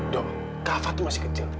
duh kafa tuh masih kecil